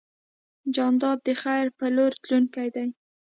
جانداد د خیر په لور تلونکی دی.